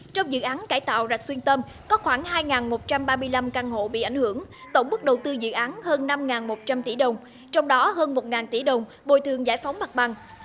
trong dự án cải tạo rạch xuyên tâm có khoảng hai một trăm ba mươi năm căn hộ bị ảnh hưởng tổng bức đầu tư dự án hơn năm một trăm linh tỷ đồng trong đó hơn một tỷ đồng bồi thường giải phóng mặt bằng